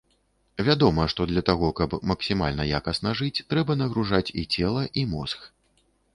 Вядома, што для таго, каб максімальна якасна жыць, трэба нагружаць і цела, і мозг.